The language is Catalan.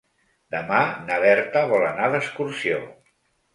Demà na Berta vol anar d'excursió.